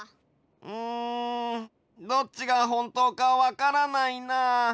うんどっちがホントかわからないな。